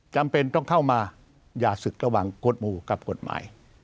จำเป็นต้องเข้ามาอย่าศึกระหว่างกฎหมู่กับกฎหมาย